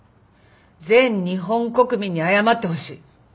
全日本国民に謝ってほしい。